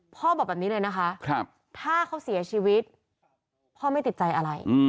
บอกแบบนี้เลยนะคะถ้าเขาเสียชีวิตพ่อไม่ติดใจอะไร